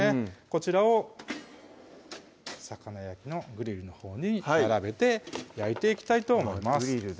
こちらを魚焼きのグリルのほうに並べて焼いていきたいと思います